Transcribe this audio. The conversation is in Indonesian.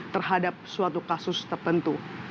terhadap suatu kasus tertentu